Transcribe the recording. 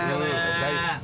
大好き。